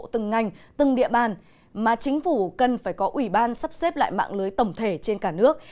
từng ngành từng địa bàn mà chính phủ cần phải có ủy ban sắp xếp lại mạng lưới tổng thể trên cả nước